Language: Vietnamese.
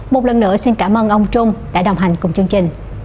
một lần nữa xin cảm ơn ông trung đã đồng hành cùng chương trình